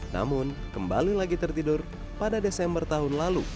namun kembali lagi tertidur pada desember tahun lalu